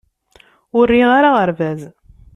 Ur riɣ ara aɣerbaz.